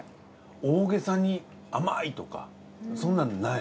大げさに甘い！とかそんなんない。